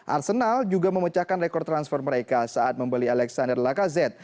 arsenal juga memecahkan rekor transfer mereka saat membeli alexander lacazette